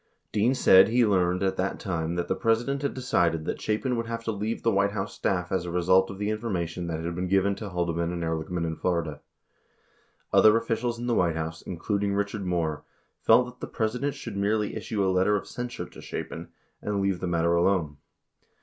Dean said he learned at that time that the President had decided that Chapin would have to leave the White House staff as a result of the information that had been given to Haldeman and Ehrlichman in Florida. 77 Other officials in the White House, including Richard Moore, felt that the President should merely issue a letter of censure to Chapin and leave the matter alone.